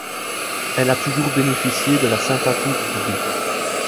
Elle a toujours bénéficié de la sympathie du public.